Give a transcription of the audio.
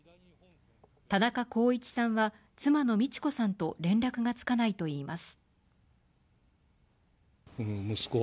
田中公一さんは妻の路子さんと連絡がつかないといいます。